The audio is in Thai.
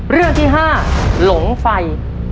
เรื่องที่๕หลงไฟ